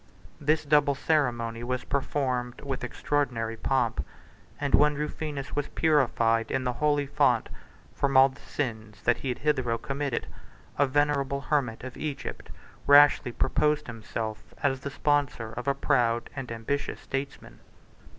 This double ceremony was performed with extraordinary pomp; and when Rufinus was purified, in the holy font, from all the sins that he had hitherto committed, a venerable hermit of Egypt rashly proposed himself as the sponsor of a proud and ambitious statesman.